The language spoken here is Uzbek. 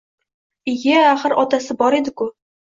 Iy-ye, axir otasi bor edi-ku!